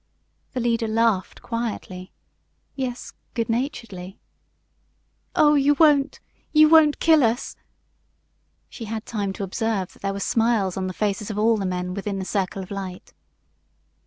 The leader laughed quietly yes, good naturedly. "Oh, you won't you won't kill us?" She had time to observe that there were smiles on the faces of all the men within the circle of light.